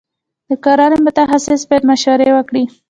د کرنې متخصصین باید مشورې ورکړي.